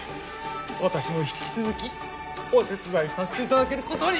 私も引き続きお手伝いさせていただけることに。